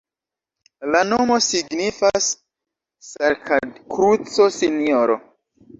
La nomo signifas Sarkad-kruco-Sinjoro.